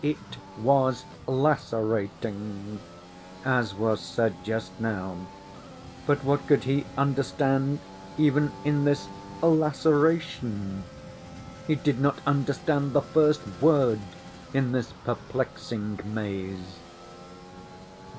"It was lacerating," as was said just now. But what could he understand even in this "laceration"? He did not understand the first word in this perplexing maze.